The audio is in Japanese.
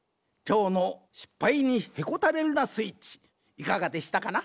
いかがでしたかな？